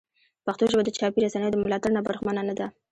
پښتو ژبه د چاپي رسنیو د ملاتړ نه برخمنه نه ده.